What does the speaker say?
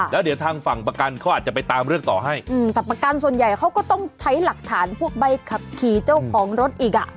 แล้วเดี๋ยวทางฝั่งประกันเขาอาจจะไปตามเรื่องต่อให้อืมแต่ประกันส่วนใหญ่เขาก็ต้องใช้หลักฐานพวกใบขับขี่เจ้าของรถอีกอ่ะ